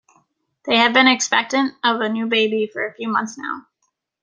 They have been expectant of a new baby for a few months now.